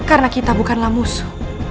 aku tidak akan melawan braga